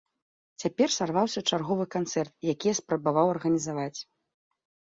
Цяпер сарваўся чарговы канцэрт, які я спрабаваў арганізаваць.